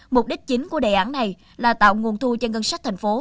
mục đích chính của đề án này là tạo nguồn thu cho ngân sách thành phố